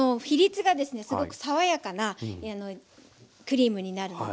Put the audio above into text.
すごく爽やかなクリームになるので。